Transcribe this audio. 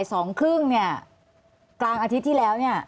สองครึ่งเนี่ยกลางอาทิตย์ที่แล้วเนี่ย